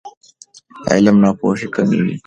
علم ناپوهي کموي.